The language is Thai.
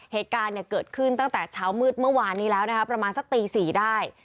เหตุการณ์เนี่ยเกิดขึ้นตั้งแต่เช้ามืดเมื่อวานนี้แล้วนะคะประมาณสักตี๔ได้